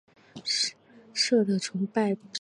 社的崇拜随着分封领土而制度化。